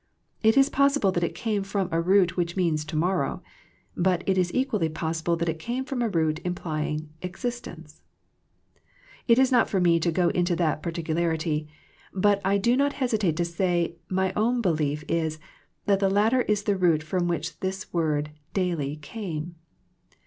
It is possible that it came from a root which means " to morrow "; but it is equally possible that it came from a root implying " existence," It is not for me to go into that particularly, but I do not hesitate to say my own belief is that the latter is the root from which this word " daily " came.